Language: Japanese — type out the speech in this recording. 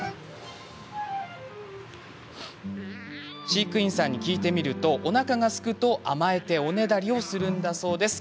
飼育員さんに聞いてみるとおなかがすくと、甘えておねだりをするんだそうです。